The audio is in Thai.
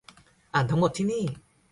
อ่านทั้งหมดที่นี่